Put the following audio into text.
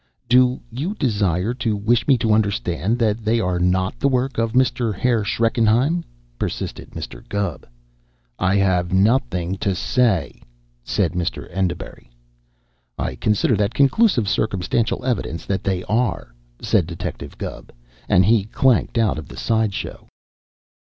"Do you desire to wish me to understand that they are not the work of Mr. Herr Schreckenheim?" persisted Mr. Gubb. "I have nothing to say!" said Mr. Enderbury. "I consider that conclusive circumstantial evidence that they are," said Detective Gubb, and he clanked out of the side show.